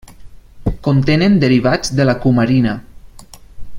Contenen derivats de la cumarina.